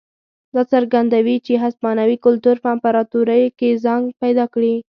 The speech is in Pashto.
دا څرګندوي چې هسپانوي کلتور په امپراتورۍ کې ځای پیدا کړی.